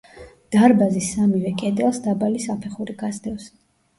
დარბაზის სამივე კედელს დაბალი საფეხური გასდევს.